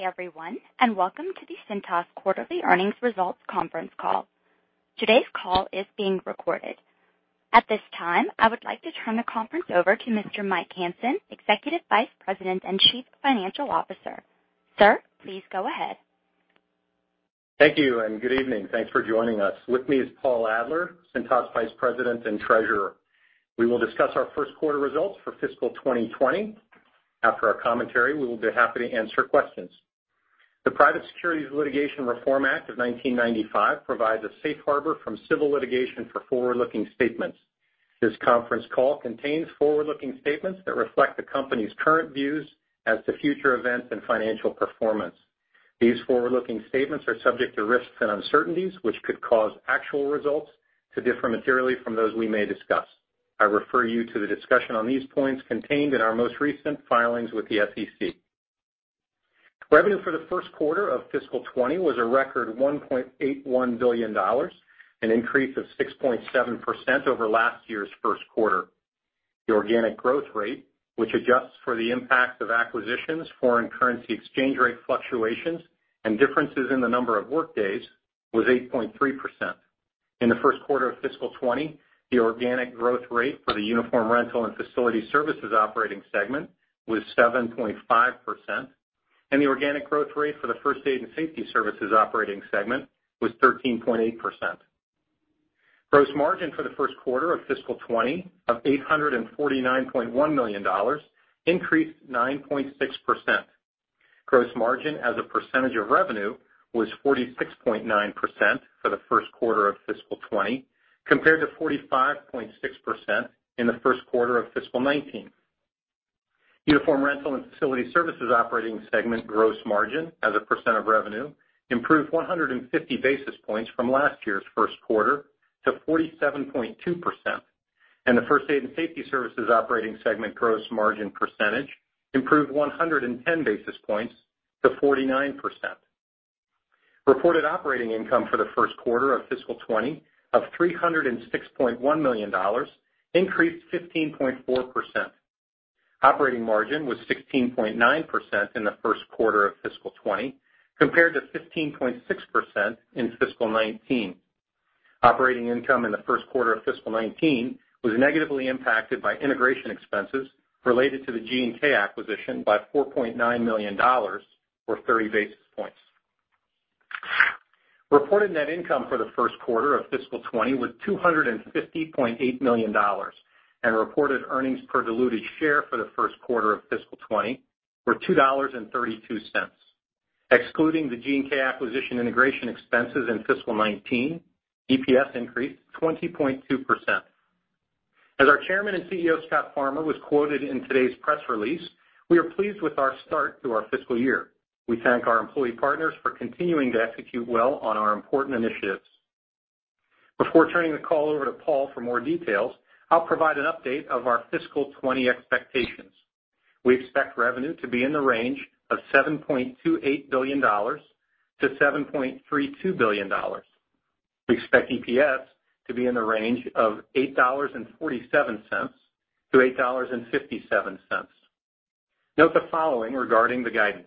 Good day everyone, and welcome to the Cintas quarterly earnings results conference call. Today's call is being recorded. At this time, I would like to turn the conference over to Mr. Mike Hansen, Executive Vice President and Chief Financial Officer. Sir, please go ahead. Thank you, good evening. Thanks for joining us. With me is Paul Adler, Cintas Vice President and Treasurer. We will discuss our first quarter results for fiscal 2020. After our commentary, we will be happy to answer questions. The Private Securities Litigation Reform Act of 1995 provides a safe harbor from civil litigation for forward-looking statements. This conference call contains forward-looking statements that reflect the company's current views as to future events and financial performance. These forward-looking statements are subject to risks and uncertainties, which could cause actual results to differ materially from those we may discuss. I refer you to the discussion on these points contained in our most recent filings with the SEC. Revenue for the first quarter of fiscal 2020 was a record $1.81 billion, an increase of 6.7% over last year's first quarter. The organic growth rate, which adjusts for the impact of acquisitions, foreign currency exchange rate fluctuations, and differences in the number of workdays, was 8.3%. In the first quarter of fiscal 2020, the organic growth rate for the Uniform Rental and Facility Services operating segment was 7.5%, and the organic growth rate for the First Aid and Safety Services operating segment was 13.8%. Gross margin for the first quarter of fiscal 2020 of $849.1 million increased 9.6%. Gross margin as a percentage of revenue was 46.9% for the first quarter of fiscal 2020, compared to 45.6% in the first quarter of fiscal 2019. Uniform Rental and Facility Services operating segment gross margin as a percent of revenue improved 150 basis points from last year's first quarter to 47.2%, and the First Aid and Safety Services operating segment gross margin percentage improved 110 basis points to 49%. Reported operating income for the first quarter of fiscal 2020 of $306.1 million increased 15.4%. Operating margin was 16.9% in the first quarter of fiscal 2020, compared to 15.6% in fiscal 2019. Operating income in the first quarter of fiscal 2019 was negatively impacted by integration expenses related to the G&K acquisition by $4.9 million, or 30 basis points. Reported net income for the first quarter of fiscal 2020 was $250.8 million, and reported earnings per diluted share for the first quarter of fiscal 2020 were $2.32. Excluding the G&K acquisition integration expenses in fiscal 2019, EPS increased 20.2%. As our Chairman and CEO, Scott Farmer, was quoted in today's press release, we are pleased with our start to our fiscal year. We thank our employee partners for continuing to execute well on our important initiatives. Before turning the call over to Paul for more details, I'll provide an update of our fiscal 2020 expectations. We expect revenue to be in the range of $7.28 billion to $7.32 billion. We expect EPS to be in the range of $8.47 to $8.57. Note the following regarding the guidance.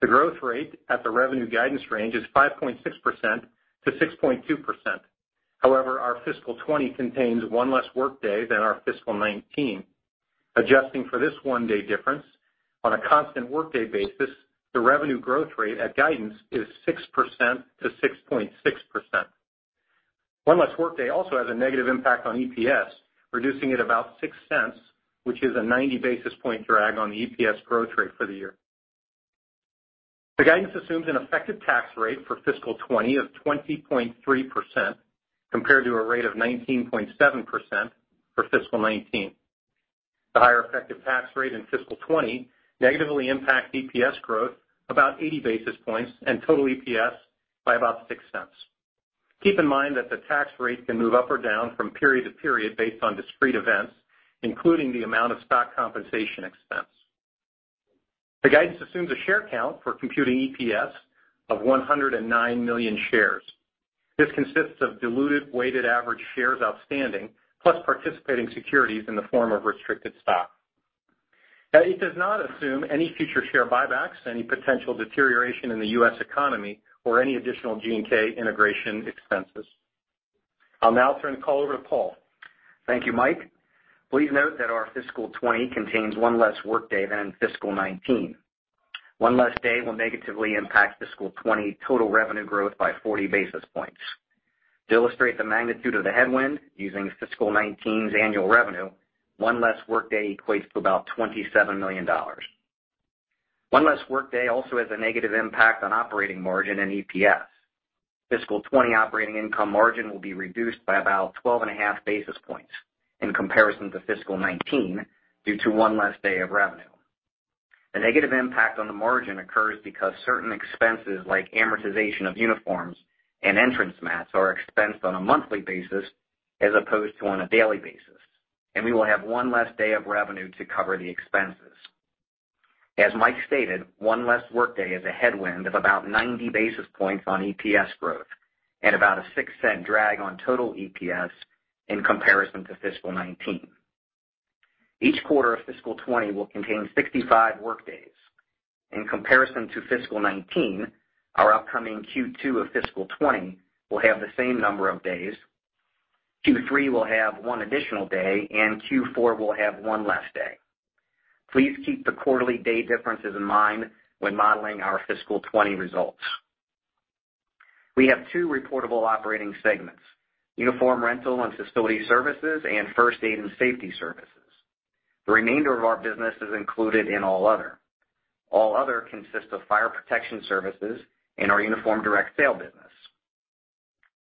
The growth rate at the revenue guidance range is 5.6% to 6.2%. However, our fiscal 2020 contains one less workday than our fiscal 2019. Adjusting for this one-day difference, on a constant workday basis, the revenue growth rate at guidance is 6% to 6.6%. One less workday also has a negative impact on EPS, reducing it about $0.06, which is a 90 basis point drag on the EPS growth rate for the year. The guidance assumes an effective tax rate for fiscal 2020 of 20.3%, compared to a rate of 19.7% for fiscal 2019. The higher effective tax rate in fiscal 2020 negatively impacts EPS growth about 80 basis points, and total EPS by about $0.06. Keep in mind that the tax rate can move up or down from period to period based on discrete events, including the amount of stock compensation expense. The guidance assumes a share count for computing EPS of 109 million shares. This consists of diluted weighted average shares outstanding, plus participating securities in the form of restricted stock. It does not assume any future share buybacks, any potential deterioration in the U.S. economy, or any additional G&K integration expenses. I'll now turn the call over to Paul. Thank you, Mike. Please note that our fiscal 2020 contains one less workday than fiscal 2019. One less day will negatively impact fiscal 2020 total revenue growth by 40 basis points. To illustrate the magnitude of the headwind, using fiscal 2019's annual revenue, one less workday equates to about $27 million. One less workday also has a negative impact on operating margin and EPS. Fiscal 2020 operating income margin will be reduced by about 12.5 basis points in comparison to fiscal 2019 due to one less day of revenue. The negative impact on the margin occurs because certain expenses like amortization of uniforms and entrance mats are expensed on a monthly basis as opposed to on a daily basis, and we will have one less day of revenue to cover the expenses. As Mike stated, one less workday is a headwind of about 90 basis points on EPS growth and about a $0.06 drag on total EPS in comparison to fiscal 2019. Each quarter of fiscal 2020 will contain 65 workdays. In comparison to fiscal 2019, our upcoming Q2 of fiscal 2020 will have the same number of days, Q3 will have one additional day, and Q4 will have one less day. Please keep the quarterly day differences in mind when modeling our fiscal 2020 results. We have two reportable operating segments, Uniform Rental and Facility Services, and First Aid and Safety Services. The remainder of our business is included in All Other. All Other consists of Fire Protection Services and our Uniform Direct Sale business.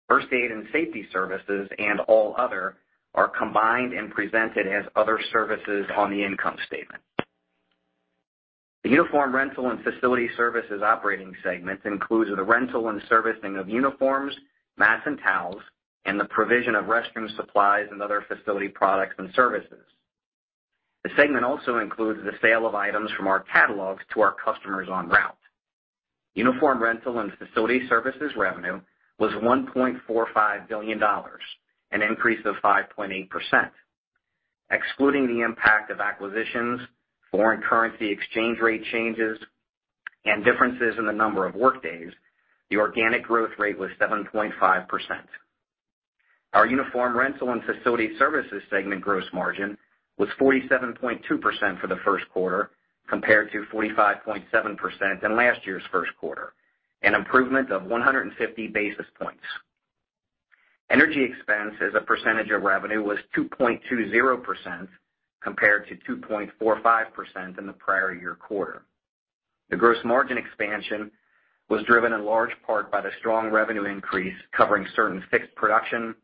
First Aid and Safety Services and All Other are combined and presented as Other Services on the income statement. The Uniform Rental and Facility Services operating segments includes the rental and servicing of uniforms, mats and towels, and the provision of restroom supplies and other facility products and services. The segment also includes the sale of items from our catalogs to our customers on route. Uniform Rental and Facility Services revenue was $1.45 billion, an increase of 5.8%. Excluding the impact of acquisitions, foreign currency exchange rate changes, and differences in the number of workdays, the organic growth rate was 7.5%. Our Uniform Rental and Facility Services segment gross margin was 47.2% for the first quarter, compared to 45.7% in last year's first quarter, an improvement of 150 basis points. Energy expense as a percentage of revenue was 2.20%, compared to 2.45% in the prior year quarter. The gross margin expansion was driven in large part by the strong revenue increase covering certain fixed production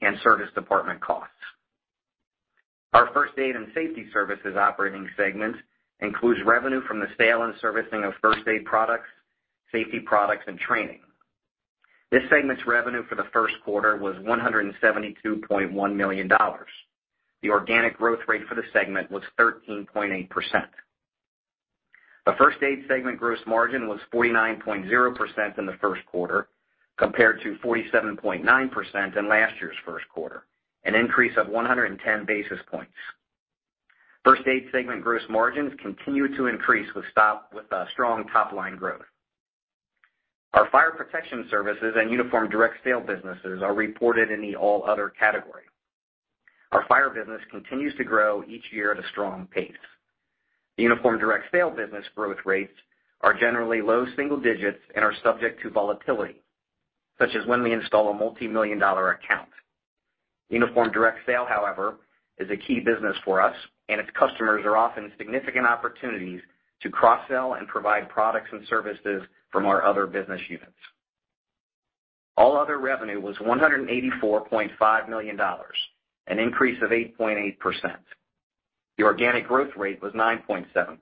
and service department costs. Our First Aid and Safety Services operating segment includes revenue from the sale and servicing of first aid products, safety products, and training. This segment's revenue for the first quarter was $172.1 million. The organic growth rate for the segment was 13.8%. The First Aid segment gross margin was 49.0% in the first quarter, compared to 47.9% in last year's first quarter, an increase of 110 basis points. First Aid segment gross margins continue to increase with strong top-line growth. Our Fire Protection Services and Uniform Direct Sale businesses are reported in the All Other category. Our fire business continues to grow each year at a strong pace. The Uniform Direct Sale business growth rates are generally low single digits and are subject to volatility, such as when we install a multimillion-dollar account. Uniform Direct Sale, however, is a key business for us, and its customers are often significant opportunities to cross-sell and provide products and services from our other business units. All Other revenue was $184.5 million, an increase of 8.8%. The organic growth rate was 9.7%.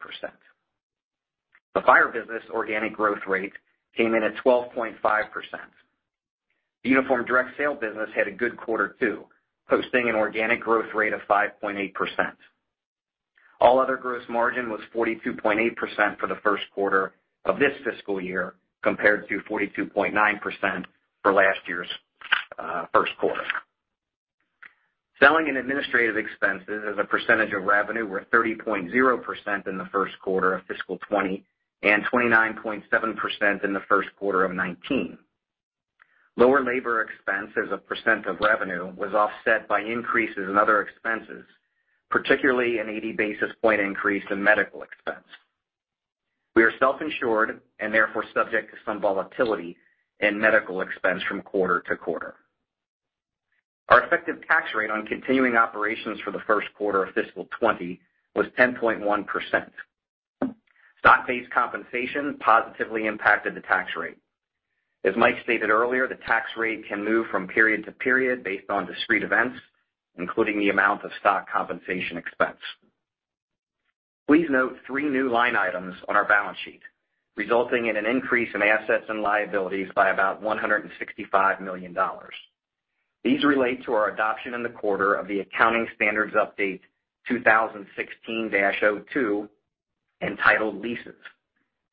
The fire business organic growth rate came in at 12.5%. The Uniform Direct Sale business had a good quarter, too, posting an organic growth rate of 5.8%. All Other gross margin was 42.8% for the first quarter of this fiscal year, compared to 42.9% for last year's first quarter. Selling and administrative expenses as a percentage of revenue were 30.0% in the first quarter of fiscal 2020, and 29.7% in the first quarter of 2019. Lower labor expense as a % of revenue was offset by increases in other expenses, particularly an 80 basis point increase in medical expense. We are self-insured and therefore subject to some volatility in medical expense from quarter to quarter. Our effective tax rate on continuing operations for the first quarter of fiscal 2020 was 10.1%. Stock-based compensation positively impacted the tax rate. As Mike stated earlier, the tax rate can move from period to period based on discrete events, including the amount of stock compensation expense. Please note three new line items on our balance sheet, resulting in an increase in assets and liabilities by about $165 million. These relate to our adoption in the quarter of the Accounting Standards Update 2016-02, entitled Leases.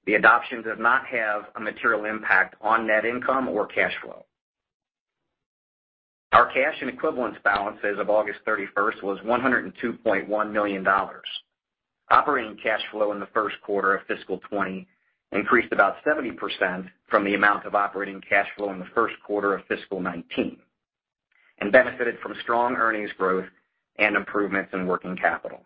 The adoption does not have a material impact on net income or cash flow. Our cash and equivalents balance as of August 31st was $102.1 million. Operating cash flow in the first quarter of fiscal 2020 increased about 70% from the amount of operating cash flow in the first quarter of fiscal 2019, and benefited from strong earnings growth and improvements in working capital.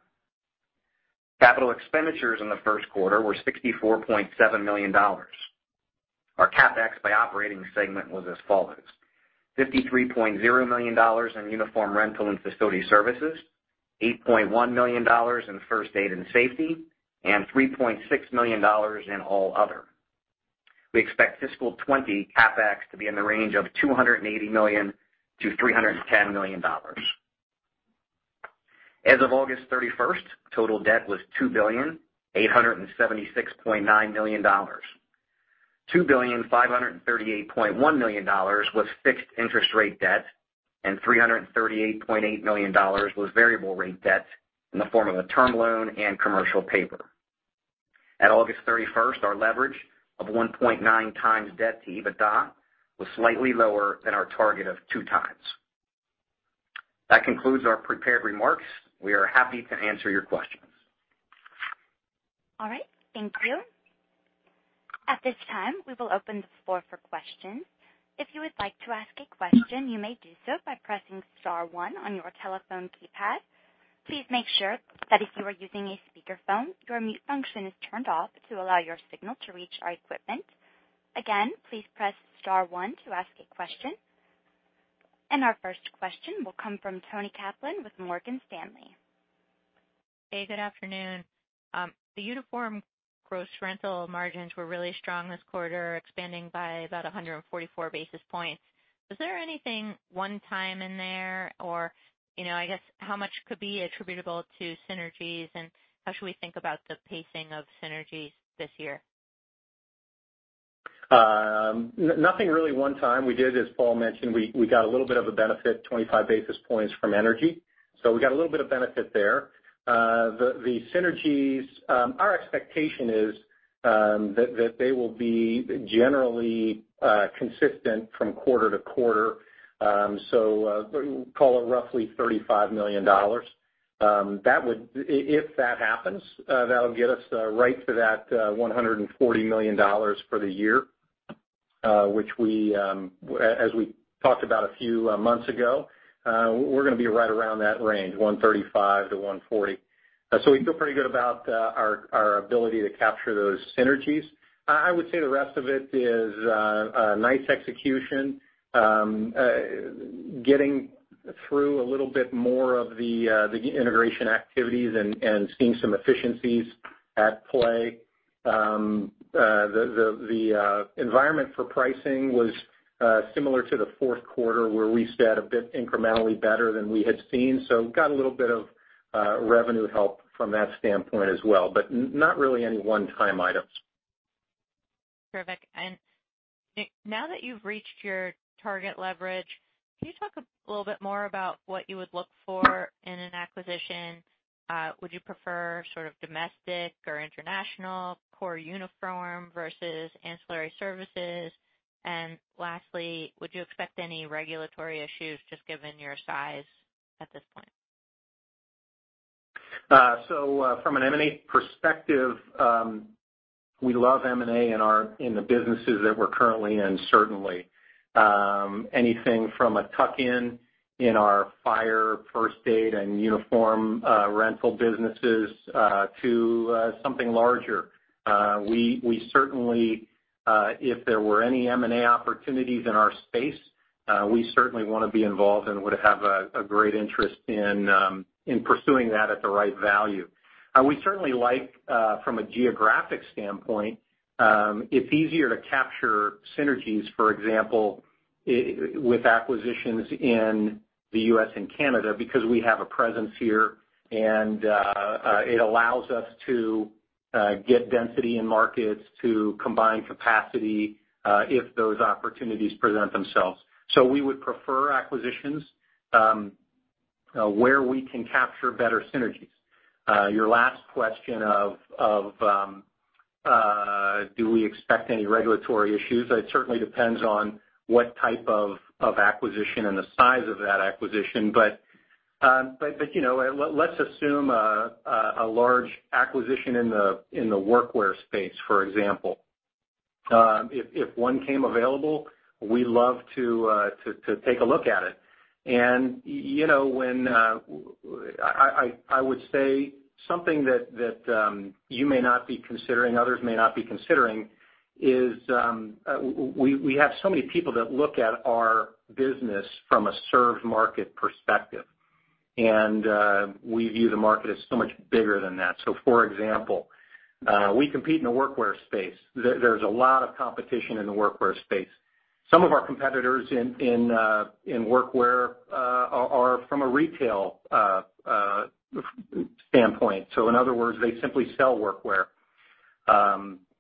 Capital expenditures in the first quarter were $64.7 million. Our CapEx by operating segment was as follows: $53.0 million in Uniform Rental and Facility Services, $8.1 million in First Aid and Safety, and $3.6 million in All Other. We expect fiscal 2020 CapEx to be in the range of $280 million-$310 million. As of August 31st, total debt was $2,876.9 million. $2,538.1 million was fixed interest rate debt, and $338.8 million was variable rate debt in the form of a term loan and commercial paper. At August 31st, our leverage of 1.9x debt to EBITDA was slightly lower than our target of 2x. That concludes our prepared remarks. We are happy to answer your questions. All right. Thank you. At this time, we will open the floor for questions. If you would like to ask a question, you may do so by pressing star 1 on your telephone keypad. Please make sure that if you are using a speakerphone, your mute function is turned off to allow your signal to reach our equipment. Again, please press star 1 to ask a question. Our first question will come from Toni Kaplan with Morgan Stanley. Hey, good afternoon. The uniform gross rental margins were really strong this quarter, expanding by about 144 basis points. Was there anything one time in there? I guess, how much could be attributable to synergies, and how should we think about the pacing of synergies this year? Nothing really one time. We did, as Paul mentioned, we got a little bit of a benefit, 25 basis points from energy. We got a little bit of benefit there. The synergies, our expectation is that they will be generally consistent from quarter to quarter. Call it roughly $35 million. If that happens, that'll get us right to that $140 million for the year. Which as we talked about a few months ago, we're going to be right around that range, $135 million-$140 million. We feel pretty good about our ability to capture those synergies. I would say the rest of it is nice execution, getting through a little bit more of the integration activities and seeing some efficiencies at play. The environment for pricing was similar to the fourth quarter, where we said a bit incrementally better than we had seen. Got a little bit of revenue help from that standpoint as well. Not really any one-time items. Terrific. Mike, now that you've reached your target leverage, can you talk a little bit more about what you would look for in an acquisition? Would you prefer sort of domestic or international, core uniform versus ancillary services? Lastly, would you expect any regulatory issues just given your size at this point? From an M&A perspective, we love M&A in the businesses that we're currently in, certainly. Anything from a tuck-in in our fire, first aid, and uniform rental businesses, to something larger. If there were any M&A opportunities in our space, we certainly want to be involved and would have a great interest in pursuing that at the right value. We certainly like, from a geographic standpoint, it's easier to capture synergies, for example, with acquisitions in the U.S. and Canada because we have a presence here and it allows us to get density in markets to combine capacity, if those opportunities present themselves. We would prefer acquisitions, where we can capture better synergies. Your last question of do we expect any regulatory issues? It certainly depends on what type of acquisition and the size of that acquisition. Let's assume a large acquisition in the workwear space, for example. If one came available, we'd love to take a look at it. I would say something that you may not be considering, others may not be considering, is we have so many people that look at our business from a served market perspective. We view the market as so much bigger than that. For example, we compete in the workwear space. There's a lot of competition in the workwear space. Some of our competitors in workwear are from a retail standpoint. In other words, they simply sell workwear.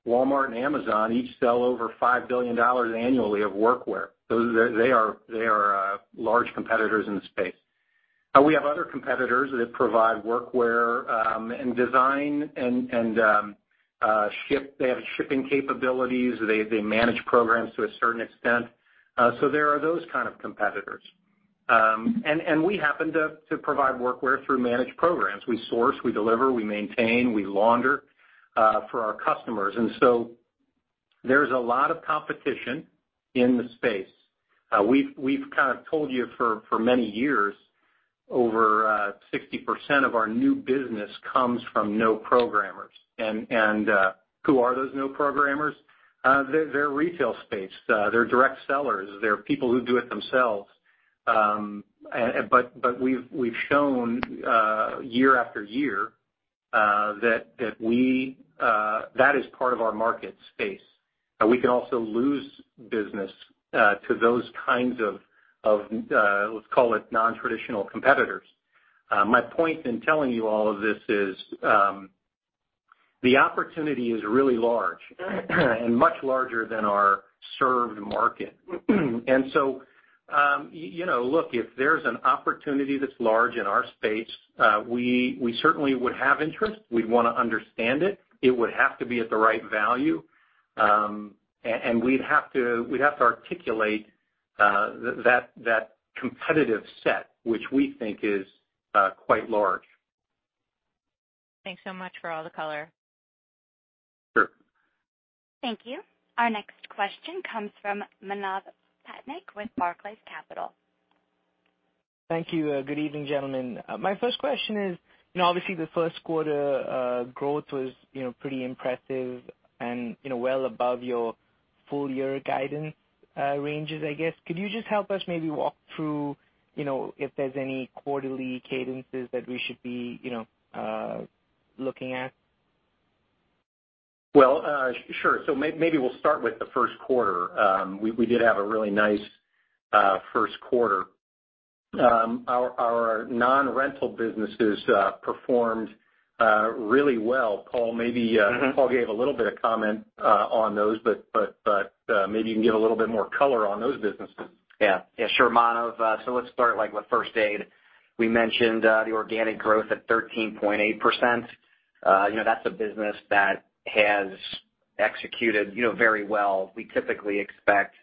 Walmart and Amazon each sell over $5 billion annually of workwear. They are large competitors in the space. We have other competitors that provide workwear and design and they have shipping capabilities. They manage programs to a certain extent. There are those kind of competitors. We happen to provide workwear through managed programs. We source, we deliver, we maintain, we launder for our customers. There's a lot of competition in the space. We've kind of told you for many years, over 60% of our new business comes from no programmers. Who are those no programmers? They're retail space, they're direct sellers, they're people who do it themselves. We've shown year after year, that is part of our market space. We can also lose business, to those kinds of, let's call it non-traditional competitors. My point in telling you all of this is, the opportunity is really large and much larger than our served market. Look, if there's an opportunity that's large in our space, we certainly would have interest. We'd want to understand it. It would have to be at the right value. We'd have to articulate that competitive set, which we think is quite large. Thanks so much for all the color. Sure. Thank you. Our next question comes from Manav Patnaik with Barclays Capital. Thank you. Good evening, gentlemen. My first question is, obviously, the first quarter growth was pretty impressive and well above your full year guidance ranges, I guess. Could you just help us maybe walk through if there's any quarterly cadences that we should be looking at? Well, sure. Maybe we'll start with the first quarter. We did have a really nice first quarter. Our non-rental businesses performed really well. Paul gave a little bit of comment on those. Maybe you can give a little bit more color on those businesses. Yeah. Sure, Manav. Let's start with First Aid. We mentioned the organic growth at 13.8%. That's a business that has executed very well. We typically expect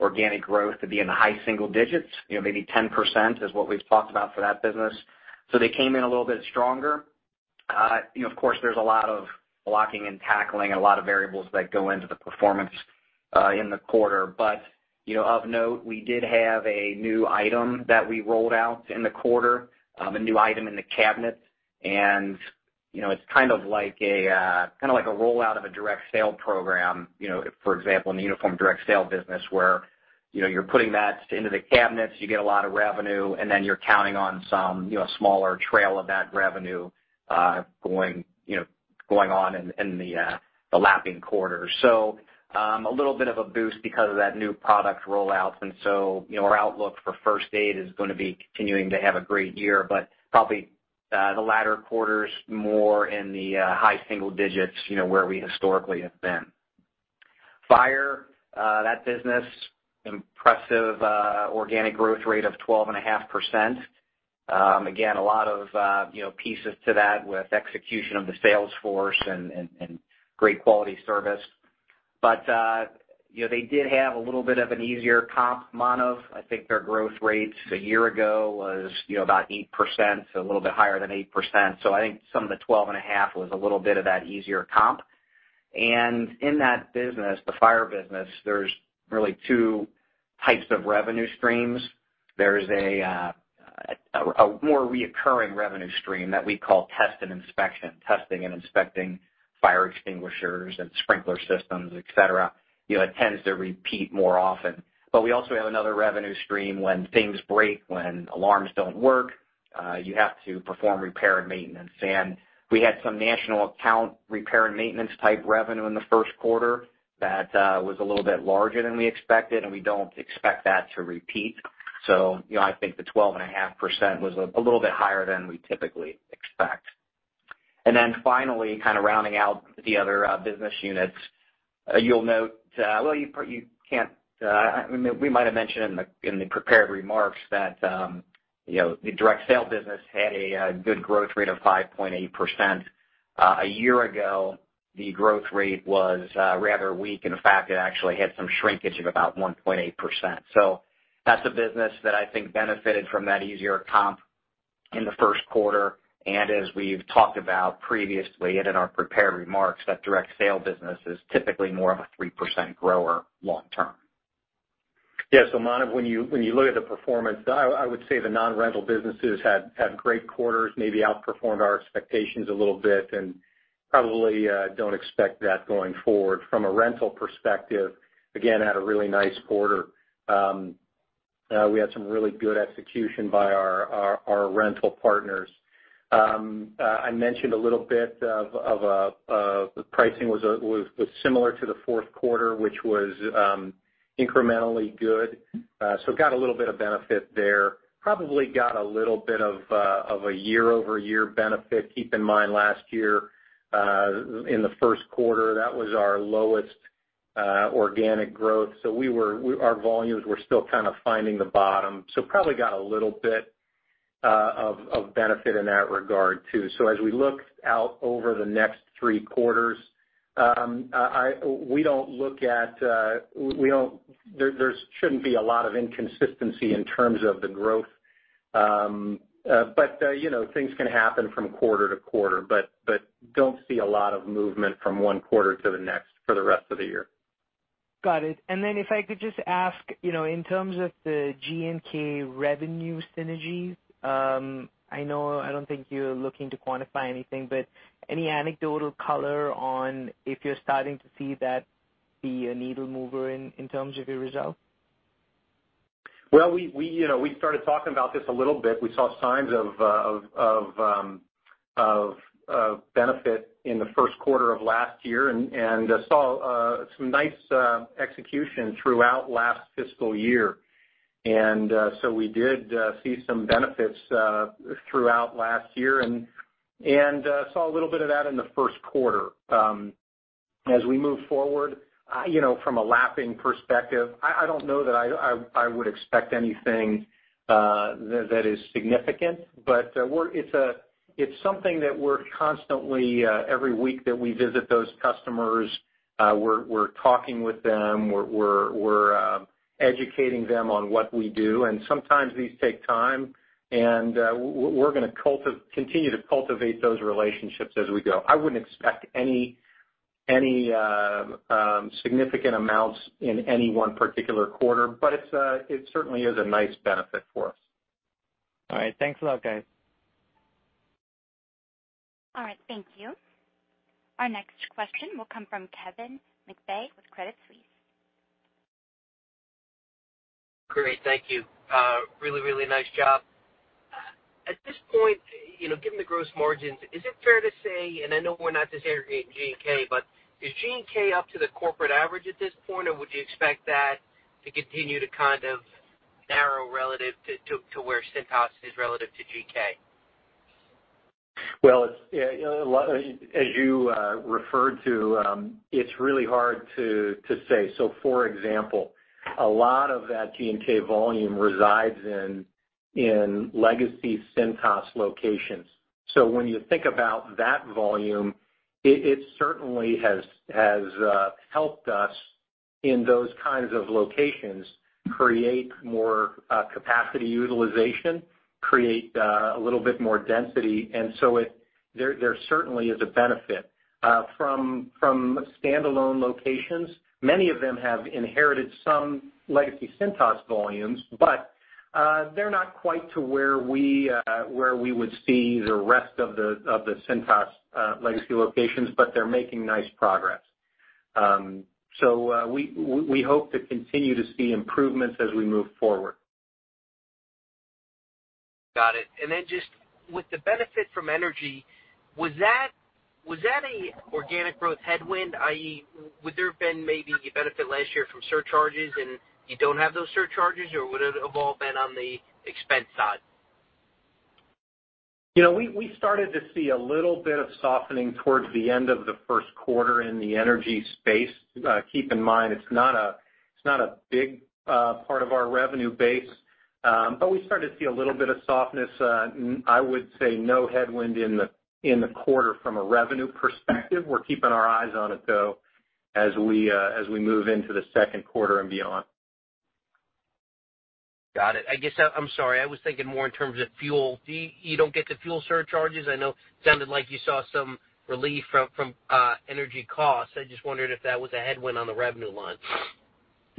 organic growth to be in the high single digits. Maybe 10% is what we've talked about for that business. They came in a little bit stronger. Of course, there's a lot of blocking and tackling and a lot of variables that go into the performance in the quarter. Of note, we did have a new item that we rolled out in the quarter, a new item in the cabinet, and it's kind of like a rollout of a Direct Sale program. For example, in the Uniform Direct Sale business, where you're putting that into the cabinets, you get a lot of revenue, and then you're counting on some smaller trail of that revenue going on in the lapping quarter. A little bit of a boost because of that new product rollout, and so our outlook for First Aid is going to be continuing to have a great year, but probably the latter quarters more in the high single digits, where we historically have been. Fire, that business, impressive organic growth rate of 12.5%. Again, a lot of pieces to that with execution of the sales force and great quality service. They did have a little bit of an easier comp, Manav. I think their growth rates a year ago was about 8%, so a little bit higher than 8%. I think some of the 12.5 was a little bit of that easier comp. In that business, the Fire business, there's really two types of revenue streams. There is a more recurring revenue stream that we call test and inspection, testing and inspecting fire extinguishers and sprinkler systems, et cetera. It tends to repeat more often. We also have another revenue stream when things break, when alarms don't work, you have to perform repair and maintenance. We had some national account repair and maintenance type revenue in the first quarter that was a little bit larger than we expected, and we don't expect that to repeat. I think the 12.5% was a little bit higher than we typically expect. Finally, kind of rounding out the other business units, we might have mentioned in the prepared remarks that the Uniform Direct Sale business had a good growth rate of 5.8%. A year ago, the growth rate was rather weak, and in fact, it actually had some shrinkage of about 1.8%. That's a business that I think benefited from that easier comp in the first quarter. As we've talked about previously and in our prepared remarks, that Direct Sale business is typically more of a 3% grower long term. Yeah. Manav, when you look at the performance, I would say the non-rental businesses had great quarters, maybe outperformed our expectations a little bit, and probably don't expect that going forward. From a rental perspective, again, had a really nice quarter. We had some really good execution by our rental partners. I mentioned a little bit of the pricing was similar to the fourth quarter, which was incrementally good. Got a little bit of benefit there. Probably got a little bit of a year-over-year benefit. Keep in mind, last year, in the first quarter, that was our lowest organic growth. Our volumes were still kind of finding the bottom. Probably got a little bit of benefit in that regard, too. As we look out over the next three quarters, there shouldn't be a lot of inconsistency in terms of the growth. Things can happen from quarter to quarter, but don't see a lot of movement from one quarter to the next for the rest of the year. Got it. If I could just ask, in terms of the G&K revenue synergies, I don't think you're looking to quantify anything, but any anecdotal color on if you're starting to see that be a needle mover in terms of your results? Well, we started talking about this a little bit. We saw signs of benefit in the first quarter of last year and saw some nice execution throughout last fiscal year. We did see some benefits throughout last year and saw a little bit of that in the first quarter. As we move forward, from a lapping perspective, I don't know that I would expect anything that is significant, but it's something that we're constantly, every week that we visit those customers, we're talking with them, we're educating them on what we do, and sometimes these take time, and we're going to continue to cultivate those relationships as we go. I wouldn't expect any significant amounts in any one particular quarter, but it certainly is a nice benefit for us. All right. Thanks a lot, guys. All right. Thank you. Our next question will come from Kevin McVeigh with Credit Suisse. Great. Thank you. Really nice job. At this point, given the gross margins, is it fair to say, and I know we're not segregating G&K, but is G&K up to the corporate average at this point, or would you expect that to continue to kind of narrow relative to where Cintas is relative to G&K? Well, as you referred to, it's really hard to say. For example, a lot of that G&K volume resides in legacy Cintas locations. When you think about that volume, it certainly has helped us in those kinds of locations create more capacity utilization, create a little bit more density, and so there certainly is a benefit. From standalone locations, many of them have inherited some legacy Cintas volumes, but they're not quite to where we would see the rest of the Cintas legacy locations, but they're making nice progress. We hope to continue to see improvements as we move forward. Just with the benefit from energy, was that a organic growth headwind, i.e., would there have been maybe a benefit last year from surcharges and you don't have those surcharges, or would it have all been on the expense side? We started to see a little bit of softening towards the end of the first quarter in the energy space. Keep in mind, it's not a big part of our revenue base. We started to see a little bit of softness. I would say no headwind in the quarter from a revenue perspective. We're keeping our eyes on it, though, as we move into the second quarter and beyond. Got it. I guess, I'm sorry. I was thinking more in terms of fuel. You don't get the fuel surcharges? I know it sounded like you saw some relief from energy costs. I just wondered if that was a headwind on the revenue line.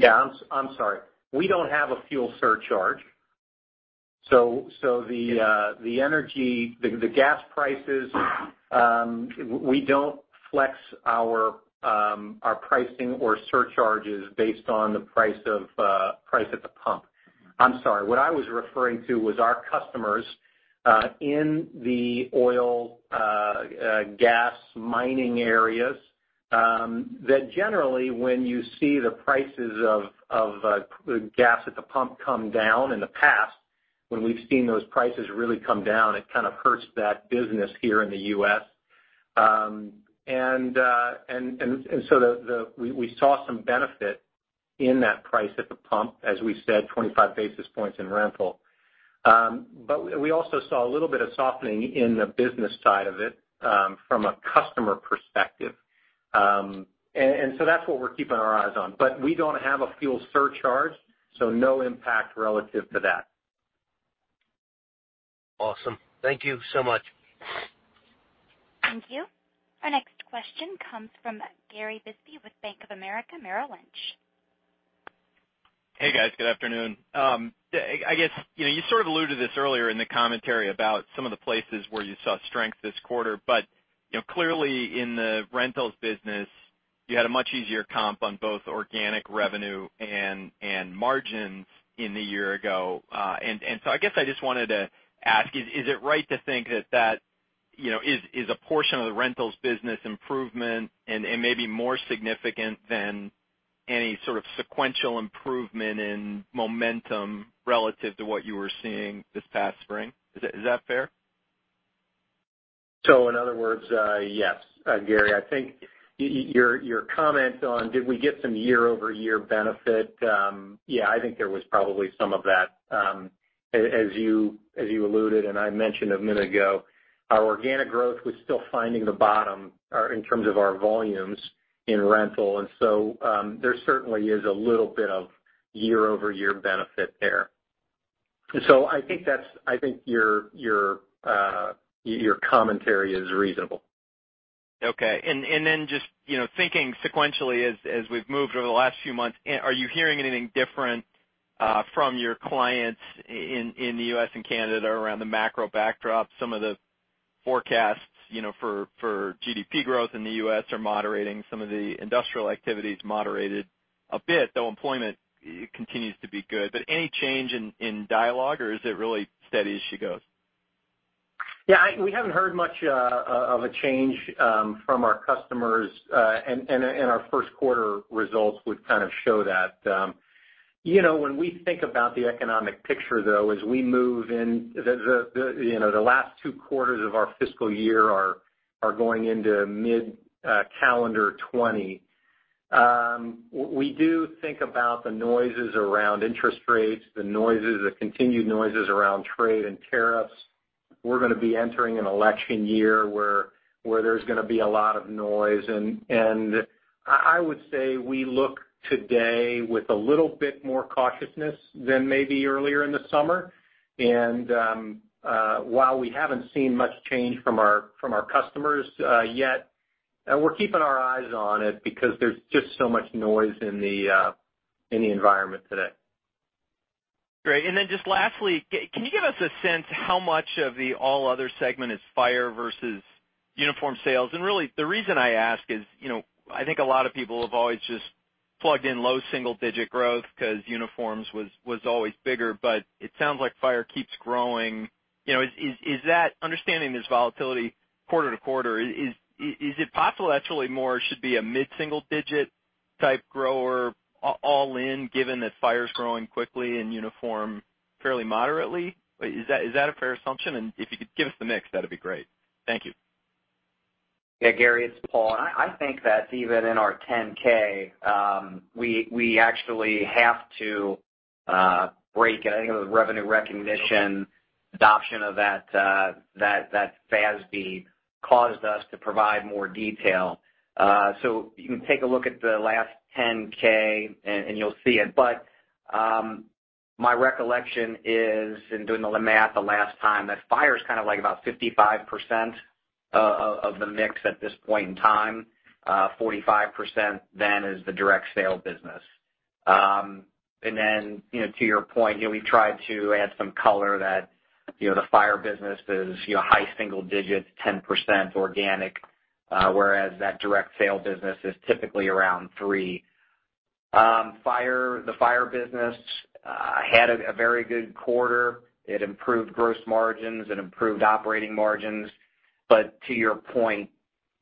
I'm sorry. We don't have a fuel surcharge. The energy, the gas prices, we don't flex our pricing or surcharges based on the price at the pump. I'm sorry. What I was referring to was our customers in the oil, gas, mining areas, that generally, when you see the prices of gas at the pump come down in the past, when we've seen those prices really come down, it kind of hurts that business here in the U.S. We saw some benefit in that price at the pump, as we said, 25 basis points in rental. We also saw a little bit of softening in the business side of it from a customer perspective. That's what we're keeping our eyes on, but we don't have a fuel surcharge, so no impact relative to that. Awesome. Thank you so much. Thank you. Our next question comes from Gary Bisbee with Bank of America Merrill Lynch. Hey, guys. Good afternoon. I guess, you sort of alluded this earlier in the commentary about some of the places where you saw strength this quarter, but clearly in the Rentals business, you had a much easier comp on both organic revenue and margins in the year ago. I guess I just wanted to ask, is it right to think that is a portion of the Rentals business improvement and maybe more significant than any sort of sequential improvement in momentum relative to what you were seeing this past spring? Is that fair? In other words, yes, Gary. I think your comment on did we get some year-over-year benefit, yeah, I think there was probably some of that. As you alluded, and I mentioned a minute ago, our organic growth was still finding the bottom in terms of our volumes in rental. There certainly is a little bit of year-over-year benefit there. I think your commentary is reasonable. Okay. Just thinking sequentially as we've moved over the last few months, are you hearing anything different from your clients in the U.S. and Canada around the macro backdrop? Some of the forecasts for GDP growth in the U.S. are moderating. Some of the industrial activity's moderated a bit, though employment continues to be good. But any change in dialogue or is it really steady as she goes? Yeah, we haven't heard much of a change from our customers, and our first quarter results would kind of show that. When we think about the economic picture, though, as we move in the last two quarters of our fiscal year are going into mid-calendar 2020. We do think about the noises around interest rates, the continued noises around trade and tariffs. We're going to be entering an election year, where there's going to be a lot of noise. I would say we look today with a little bit more cautiousness than maybe earlier in the summer. While we haven't seen much change from our customers yet, we're keeping our eyes on it because there's just so much noise in the environment today. Great. Just lastly, can you give us a sense how much of the All Other segment is Fire versus uniform sales? Really, the reason I ask is, I think a lot of people have always just plugged in low single-digit growth because uniforms was always bigger, but it sounds like Fire keeps growing. Understanding there's volatility quarter-to-quarter, is it possible actually more should be a mid single-digit type grower all in, given that Fire's growing quickly and uniform fairly moderately? Is that a fair assumption? If you could give us the mix, that'd be great. Thank you. Yeah, Gary, it's Paul. I think that's even in our 10-K, we actually have to break, I think it was revenue recognition, adoption of that FASB caused us to provide more detail. So you can take a look at the last 10-K and you'll see it. My recollection is, in doing the math the last time, that fire is about 55% of the mix at this point in time, 45% then is the direct sale business. Then, to your point, we've tried to add some color that the fire business is high single digits, 10% organic, whereas that direct sale business is typically around three. The fire business had a very good quarter. It improved gross margins, it improved operating margins. To your point,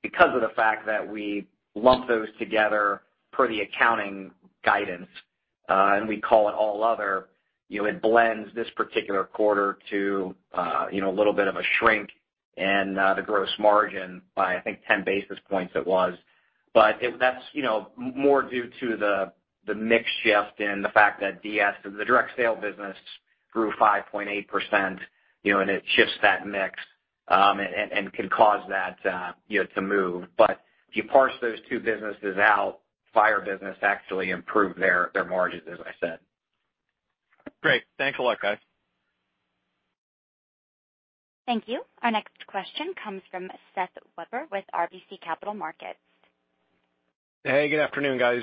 because of the fact that we lump those together per the accounting guidance, and we call it All Other, it blends this particular quarter to a little bit of a shrink and the gross margin by, I think, 10 basis points it was. That's more due to the mix shift and the fact that DS, the Direct Sale business, grew 5.8%, and it shifts that mix, and can cause that to move. If you parse those two businesses out, Fire business actually improved their margins, as I said. Great. Thanks a lot, guys. Thank you. Our next question comes from Seth Weber with RBC Capital Markets. Hey, good afternoon, guys.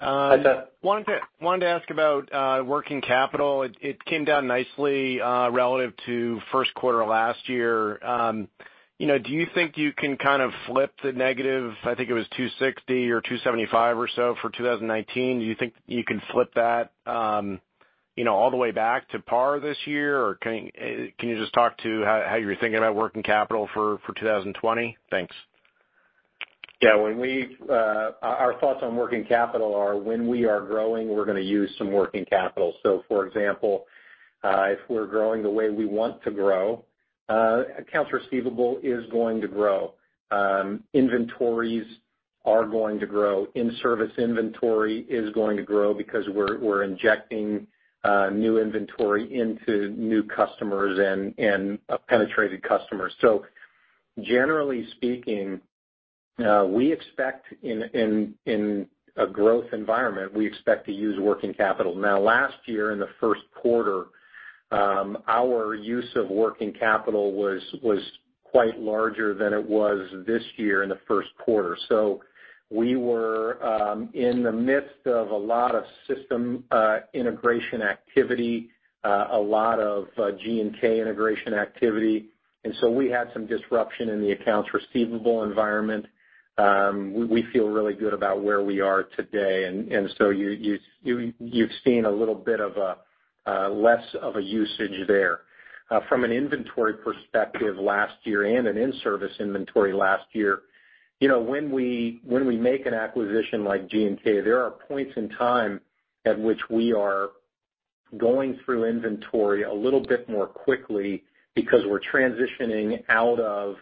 Hi, Seth. Wanted to ask about working capital. It came down nicely relative to first quarter last year. Do you think you can flip the negative, I think it was $260 or $275 or so for 2019? Do you think you can flip that all the way back to par this year? Or can you just talk to how you're thinking about working capital for 2020? Thanks. Yeah. Our thoughts on working capital are when we are growing, we're going to use some working capital. For example, if we're growing the way we want to grow, accounts receivable is going to grow. Inventories are going to grow. In-service inventory is going to grow because we're injecting new inventory into new customers and penetrated customers. Generally speaking, in a growth environment, we expect to use working capital. Now, last year in the first quarter, our use of working capital was quite larger than it was this year in the first quarter. We were in the midst of a lot of system integration activity, a lot of G&K integration activity, and so we had some disruption in the accounts receivable environment. We feel really good about where we are today, you've seen a little bit of a less of a usage there. From an inventory perspective last year and an in-service inventory last year, when we make an acquisition like G&K, there are points in time at which we are going through inventory a little bit more quickly because we're transitioning out of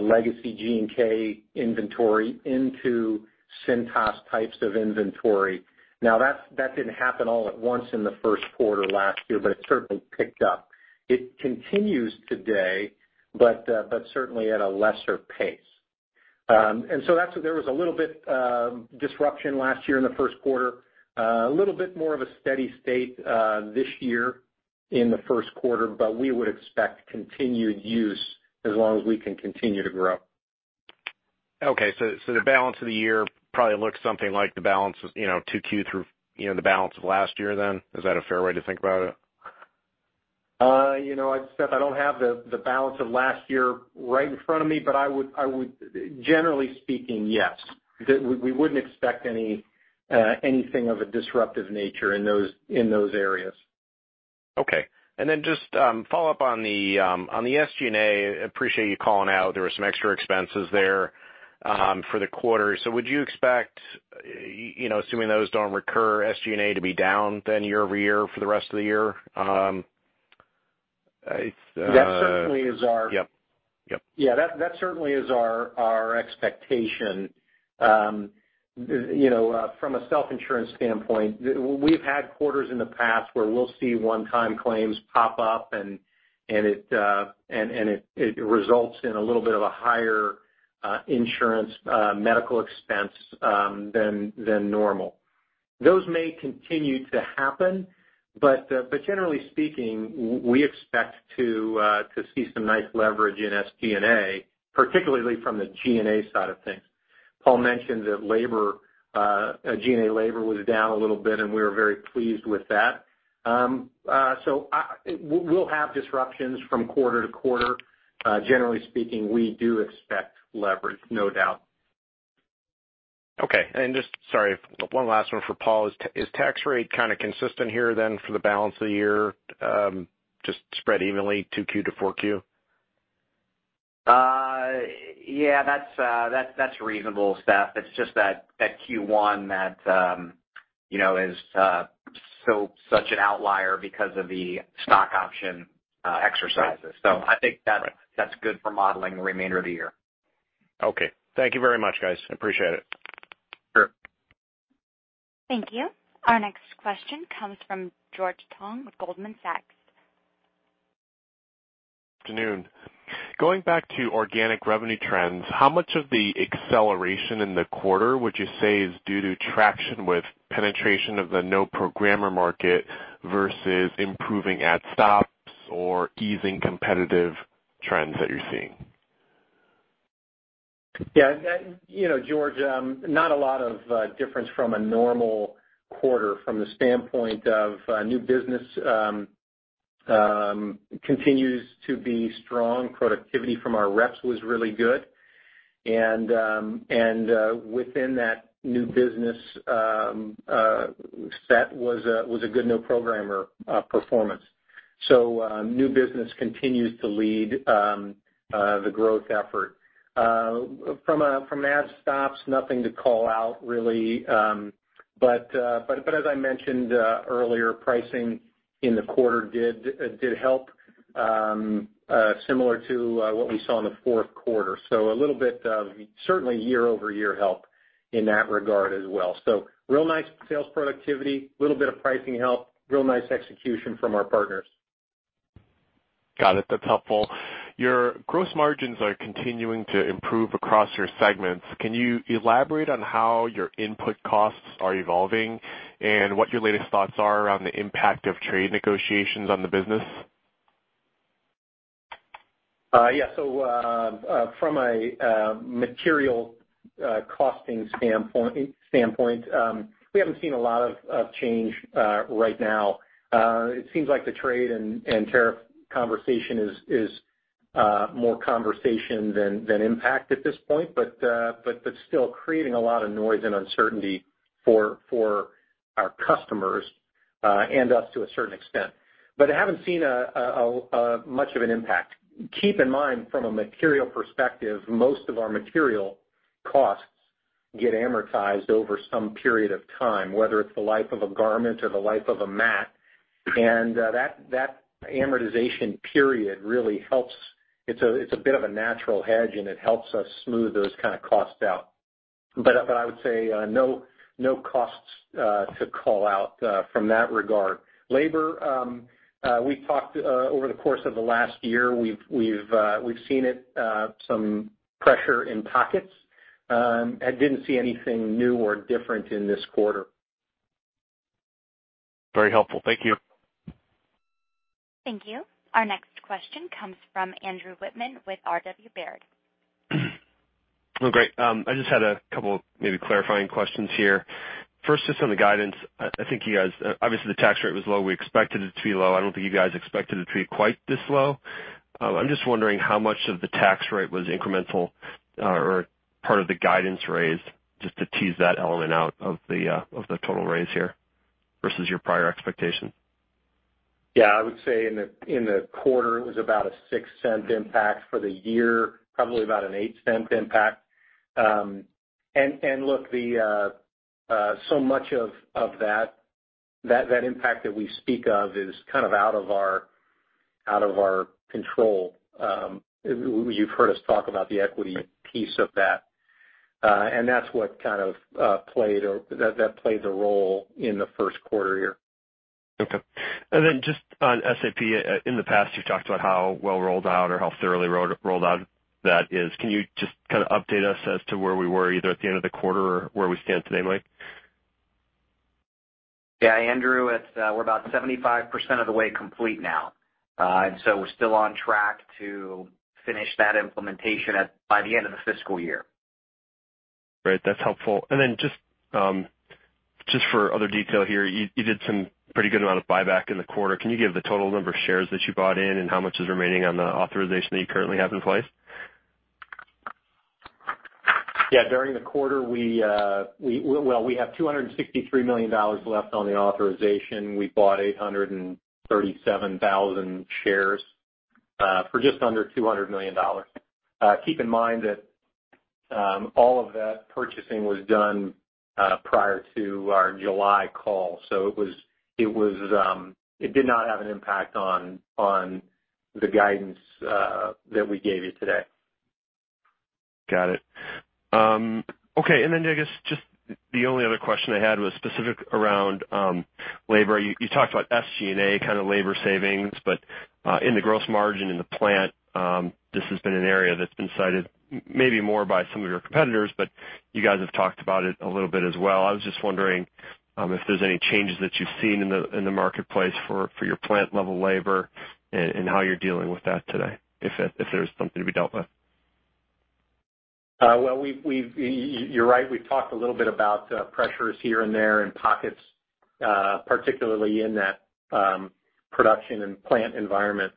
legacy G&K inventory into Cintas types of inventory. That didn't happen all at once in the first quarter last year, but it certainly picked up. It continues today, but certainly at a lesser pace. There was a little bit disruption last year in the first quarter. A little bit more of a steady state this year in the first quarter, but we would expect continued use as long as we can continue to grow. Okay. The balance of the year probably looks something like the balance of 2Q through the balance of last year then? Is that a fair way to think about it? Seth, I don't have the balance of last year right in front of me, but generally speaking, yes. We wouldn't expect anything of a disruptive nature in those areas. Okay. Just follow up on the SG&A. Appreciate you calling out there were some extra expenses there for the quarter. Would you expect, assuming those don't recur, SG&A to be down then year-over-year for the rest of the year? That certainly is our- Yep. Yeah, that certainly is our expectation. From a self-insurance standpoint, we've had quarters in the past where we'll see one-time claims pop up, and it results in a little bit of a higher insurance medical expense than normal. Those may continue to happen. Generally speaking, we expect to see some nice leverage in SG&A, particularly from the G&A side of things. Paul mentioned that G&A labor was down a little bit. We were very pleased with that. We'll have disruptions from quarter to quarter. Generally speaking, we do expect leverage, no doubt. Okay. Just, sorry, one last one for Paul. Is tax rate kind of consistent here then for the balance of the year? Just spread evenly 2Q to 4Q? Yeah, that's reasonable, Seth. It's just that Q1 that is such an outlier because of the stock option exercises. I think that's good for modeling the remainder of the year. Okay. Thank you very much, guys. Appreciate it. Sure. Thank you. Our next question comes from George Tong with Goldman Sachs. Afternoon. Going back to organic revenue trends, how much of the acceleration in the quarter would you say is due to traction with penetration of the no-programmer market versus improving add stops or easing competitive trends that you're seeing? Yeah, George, not a lot of difference from a normal quarter from the standpoint of new business continues to be strong. Productivity from our reps was really good, within that new business set was a good new program performance. New business continues to lead the growth effort. From add stops, nothing to call out, really. As I mentioned earlier, pricing in the quarter did help, similar to what we saw in the fourth quarter. A little bit of certainly year-over-year help in that regard as well. Real nice sales productivity, little bit of pricing help, real nice execution from our partners. Got it. That's helpful. Your gross margins are continuing to improve across your segments. Can you elaborate on how your input costs are evolving and what your latest thoughts are around the impact of trade negotiations on the business? From a material costing standpoint, we haven't seen a lot of change right now. It seems like the trade and tariff conversation is more conversation than impact at this point, still creating a lot of noise and uncertainty for our customers, and us to a certain extent. I haven't seen much of an impact. Keep in mind, from a material perspective, most of our material costs get amortized over some period of time, whether it's the life of a garment or the life of a mat. That amortization period really helps. It's a bit of a natural hedge, and it helps us smooth those kind of costs out. I would say, no costs to call out from that regard. Labor, we've talked over the course of the last year. We've seen it, some pressure in pockets. I didn't see anything new or different in this quarter. Very helpful. Thank you. Thank you. Our next question comes from Andrew Wittmann with R.W. Baird. Well, great. I just had a couple maybe clarifying questions here. First, just on the guidance. I think you guys, obviously, the tax rate was low. We expected it to be low. I don't think you guys expected it to be quite this low. I'm just wondering how much of the tax rate was incremental or part of the guidance raised, just to tease that element out of the total raise here versus your prior expectation. Yeah, I would say in the quarter, it was about a $0.06 impact. For the year, probably about an $0.08 impact. Look, so much of that impact that we speak of is kind of out of our control. You've heard us talk about the equity piece of that. That's what kind of played a role in the first quarter year. Okay. Just on SAP, in the past, you've talked about how well rolled out or how thoroughly rolled out that is. Can you just kind of update us as to where we were, either at the end of the quarter or where we stand today, Mike? Yeah, Andrew, we're about 75% of the way complete now. We're still on track to finish that implementation by the end of the fiscal year. Great. That's helpful. Just for other detail here, you did some pretty good amount of buyback in the quarter. Can you give the total number of shares that you bought in and how much is remaining on the authorization that you currently have in place? Yeah. During the quarter, we have $263 million left on the authorization. We bought 837,000 shares for just under $200 million. Keep in mind that all of that purchasing was done prior to our July call, so it did not have an impact on the guidance that we gave you today. Got it. Okay. I guess, just the only other question I had was specific around labor. You talked about SG&A kind of labor savings. In the gross margin in the plant, this has been an area that's been cited maybe more by some of your competitors, but you guys have talked about it a little bit as well. I was just wondering if there's any changes that you've seen in the marketplace for your plant level labor and how you're dealing with that today, if there's something to be dealt with. Well, you're right. We've talked a little bit about pressures here and there in pockets, particularly in that production and plant environment.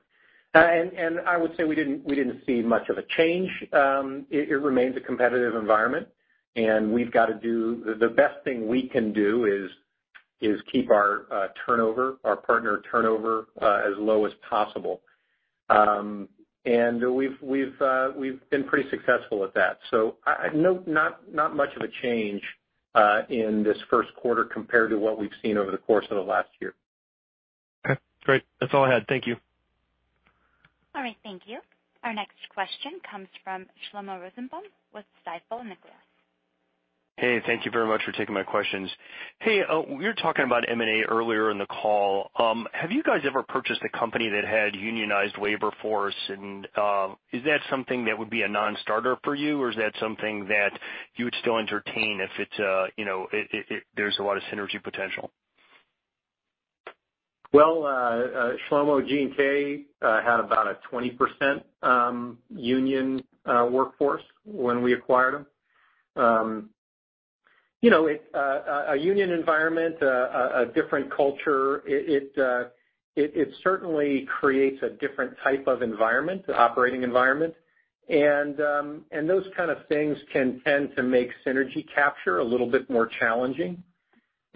I would say we didn't see much of a change. It remains a competitive environment, the best thing we can do is keep our partner turnover as low as possible. We've been pretty successful at that. Not much of a change in this first quarter compared to what we've seen over the course of the last year. Okay, great. That's all I had. Thank you. All right. Thank you. Our next question comes from Shlomo Rosenbaum with Stifel Nicolaus. Hey, thank you very much for taking my questions. Hey, you were talking about M&A earlier in the call. Have you guys ever purchased a company that had unionized labor force? Is that something that would be a non-starter for you, or is that something that you would still entertain if there's a lot of synergy potential? Well, Shlomo, G&K had about a 20% union workforce when we acquired them. A union environment, a different culture, it certainly creates a different type of operating environment. Those kind of things can tend to make synergy capture a little bit more challenging.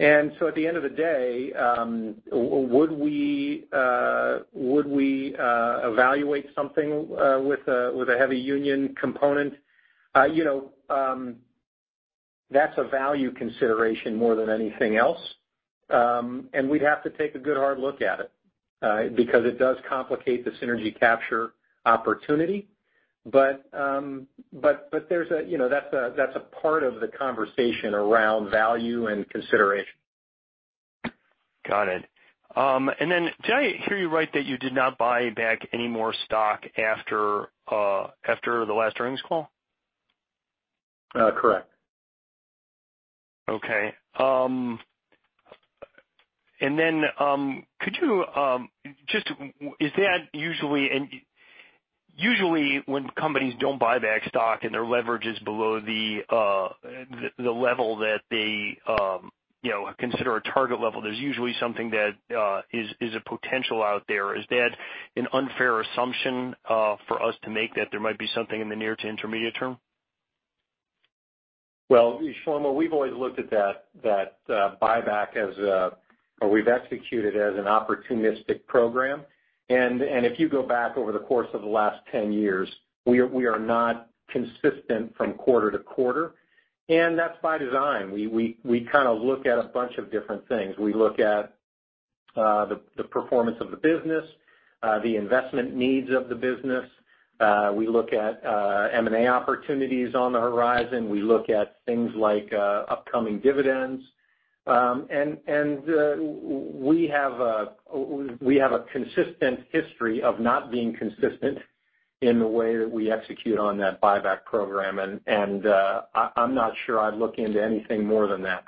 At the end of the day, would we evaluate something with a heavy union component? That's a value consideration more than anything else. We'd have to take a good hard look at it, because it does complicate the synergy capture opportunity. That's a part of the conversation around value and consideration. Got it. Did I hear you right that you did not buy back any more stock after the last earnings call? Correct. Okay. Usually when companies don't buy back stock and their leverage is below the level that they consider a target level, there's usually something that is a potential out there. Is that an unfair assumption for us to make that there might be something in the near to intermediate term? Well, Shlomo, we've always looked at that buyback as we've executed as an opportunistic program. If you go back over the course of the last 10 years, we are not consistent from quarter to quarter, and that's by design. We kind of look at a bunch of different things. We look at the performance of the business, the investment needs of the business, we look at M&A opportunities on the horizon. We look at things like upcoming dividends. We have a consistent history of not being consistent in the way that we execute on that buyback program. I'm not sure I'd look into anything more than that.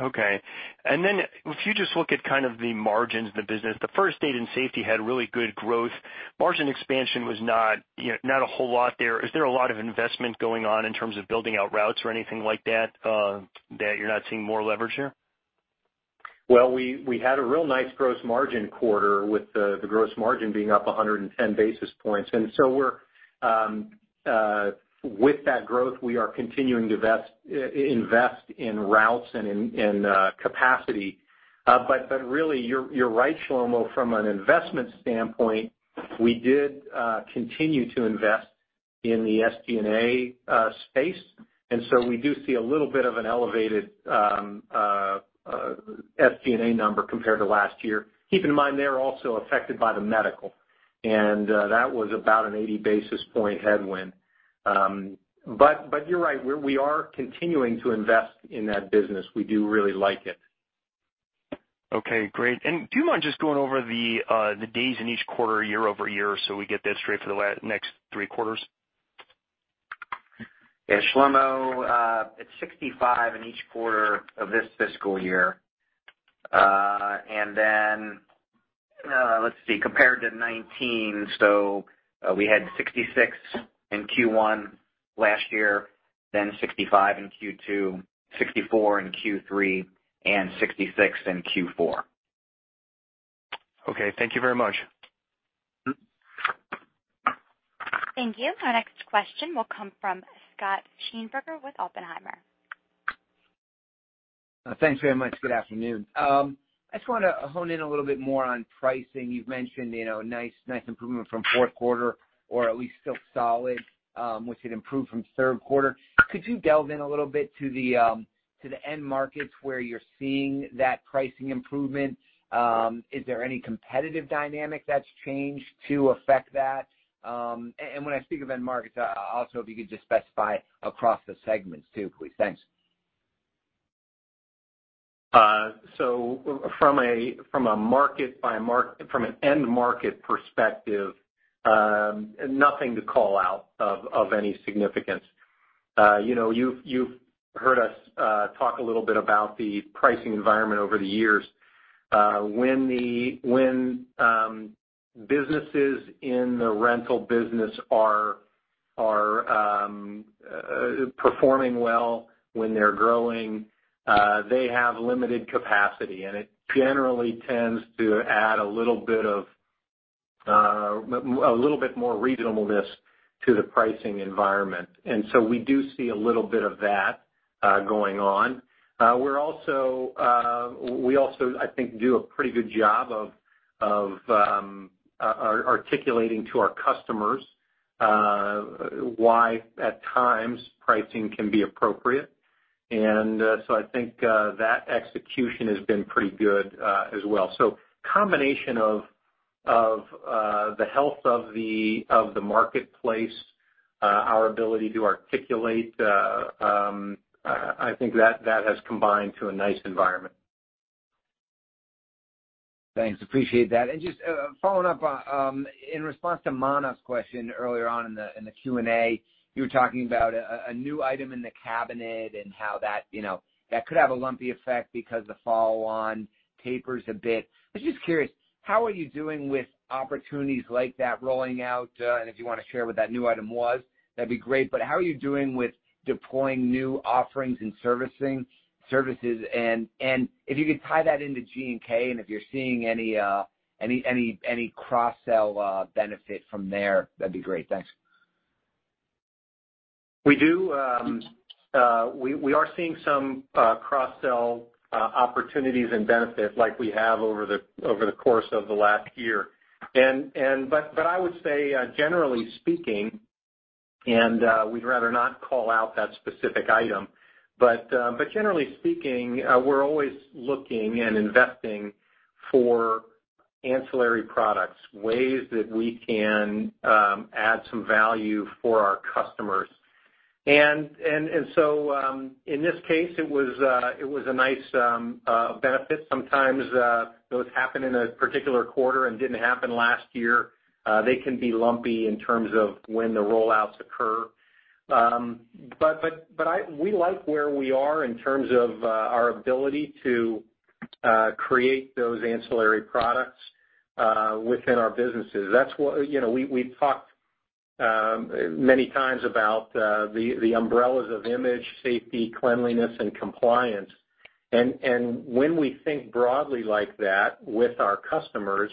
Okay. If you just look at kind of the margins of the business, the First Aid and Safety had really good growth. Margin expansion was not a whole lot there. Is there a lot of investment going on in terms of building out routes or anything like that you're not seeing more leverage here? Well, we had a real nice gross margin quarter with the gross margin being up 110 basis points. With that growth, we are continuing to invest in routes and in capacity. Really, you're right, Shlomo. From an investment standpoint, we did continue to invest in the SG&A space, we do see a little bit of an elevated SG&A number compared to last year. Keep in mind they're also affected by the medical, that was about an 80 basis point headwind. You're right. We are continuing to invest in that business. We do really like it. Okay, great. Do you mind just going over the days in each quarter year-over-year, so we get that straight for the next three quarters? Yeah, Shlomo, it's 65 in each quarter of this fiscal year. Let's see, compared to 2019, so we had 66 in Q1 last year, then 65 in Q2, 64 in Q3, and 66 in Q4. Okay, thank you very much. Thank you. Our next question will come from Scott Schneeberger with Oppenheimer. Thanks very much. Good afternoon. I just want to hone in a little bit more on pricing. You've mentioned nice improvement from fourth quarter, or at least still solid, which had improved from third quarter. Could you delve in a little bit to the end markets where you're seeing that pricing improvement? Is there any competitive dynamic that's changed to affect that? When I speak of end markets, also, if you could just specify across the segments too, please. Thanks. From an end market perspective, nothing to call out of any significance. You've heard us talk a little bit about the pricing environment over the years. When businesses in the rental business are performing well, when they're growing, they have limited capacity, and it generally tends to add a little bit more reasonableness to the pricing environment. We do see a little bit of that going on. We also, I think, do a pretty good job of articulating to our customers why, at times, pricing can be appropriate. I think that execution has been pretty good as well. Combination of the health of the marketplace, our ability to articulate, I think that has combined to a nice environment. Thanks. Appreciate that. Just following up, in response to Manav's question earlier on in the Q&A, you were talking about a new item in the cabinet and how that could have a lumpy effect because the follow-on tapers a bit. I was just curious, how are you doing with opportunities like that rolling out? If you want to share what that new item was, that would be great. How are you doing with deploying new offerings and services? If you could tie that into G&K and if you're seeing any cross-sell benefit from there, that would be great. Thanks. We do. We are seeing some cross-sell opportunities and benefit like we have over the course of the last year. I would say, generally speaking, and we'd rather not call out that specific item, but generally speaking, we're always looking and investing for ancillary products, ways that we can add some value for our customers. In this case, it was a nice benefit. Sometimes those happen in a particular quarter and didn't happen last year. They can be lumpy in terms of when the rollouts occur. We like where we are in terms of our ability to create those ancillary products within our businesses. We've talked many times about the umbrellas of image, safety, cleanliness and compliance. When we think broadly like that with our customers,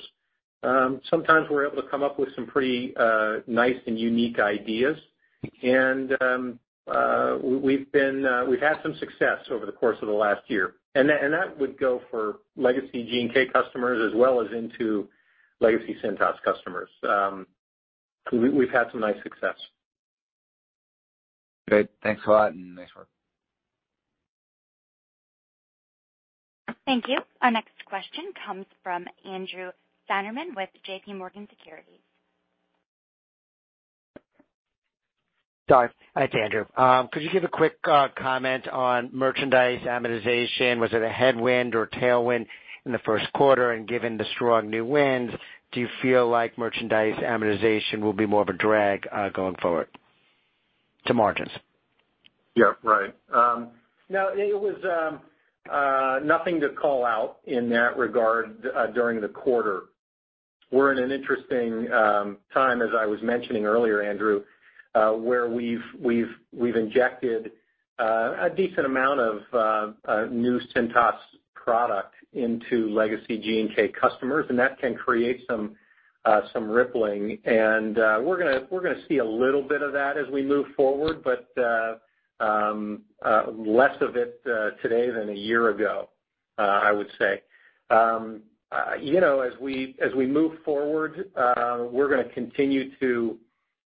sometimes we're able to come up with some pretty nice and unique ideas. We've had some success over the course of the last year, and that would go for legacy G&K customers as well as into legacy Cintas customers. We've had some nice success. Great. Thanks a lot, and nice work. Thank you. Our next question comes from Andrew Steinerman with J.P. Morgan Securities. Sorry, it's Andrew. Could you give a quick comment on merchandise amortization? Was it a headwind or tailwind in the first quarter? Given the strong new wins, do you feel like merchandise amortization will be more of a drag going forward to margins? Yeah. Right. No, it was nothing to call out in that regard during the quarter. We're in an interesting time, as I was mentioning earlier, Andrew, where we've injected a decent amount of new Cintas product into legacy G&K customers. That can create some rippling. We're going to see a little bit of that as we move forward, but less of it today than one year ago, I would say. As we move forward, we're going to continue to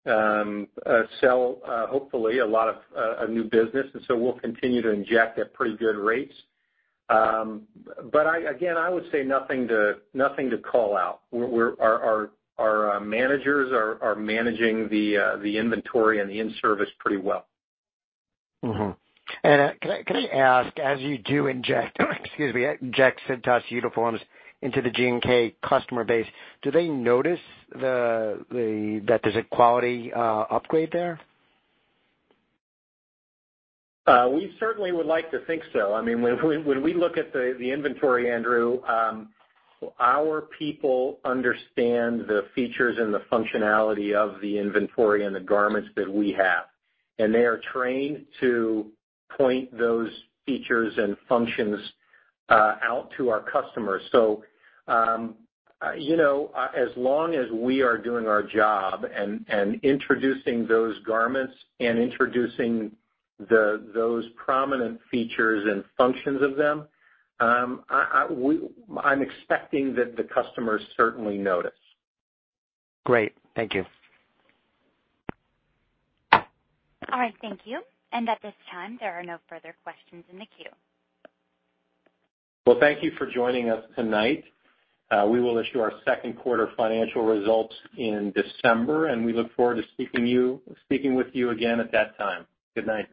sell, hopefully, a lot of new business. We'll continue to inject at pretty good rates. Again, I would say nothing to call out. Our managers are managing the inventory and the in-service pretty well. Can I ask, as you do inject Cintas uniforms into the G&K customer base, do they notice that there's a quality upgrade there? We certainly would like to think so. When we look at the inventory, Andrew, our people understand the features and the functionality of the inventory and the garments that we have, and they are trained to point those features and functions out to our customers. As long as we are doing our job and introducing those garments and introducing those prominent features and functions of them, I'm expecting that the customers certainly notice. Great. Thank you. All right, thank you. At this time, there are no further questions in the queue. Well, thank you for joining us tonight. We will issue our second quarter financial results in December, and we look forward to speaking with you again at that time. Good night.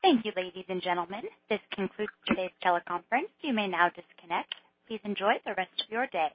Thank you, ladies and gentlemen. This concludes today's teleconference. You may now disconnect. Please enjoy the rest of your day.